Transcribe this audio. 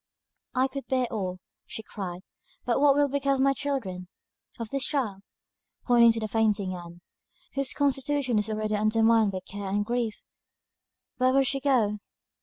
"I could bear all," she cried; "but what will become of my children? Of this child," pointing to the fainting Ann, "whose constitution is already undermined by care and grief where will she go?"